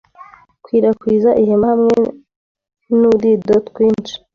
Kwirakwiza ihema hamwe nudido twinshi